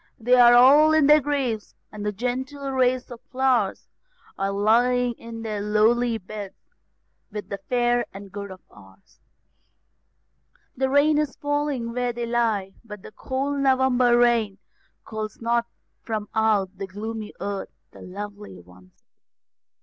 they all are in their graves, the gentle race of flowers Are lying in their lowly beds, with the fair and good of ours. The rain is falling where they lie, but the cold November rain Calls not from out the gloomy earth the lovely ones again.